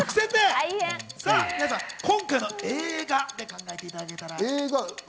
今回の映画で考えていただけたら。